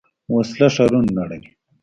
وسله ښارونه نړوي